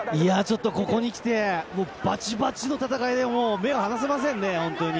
ここにきて、バチバチの戦いで、もう目が離せませんね、本当に。